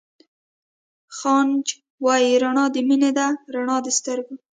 خانج وائي رڼا َد مينې ده رڼا َد سترګو